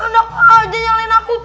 nggak aja nyalain aku